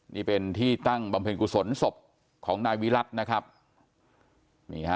นี่เป็นที่ตั้งบำเพ็ญกุศลสบของนายวิรัติ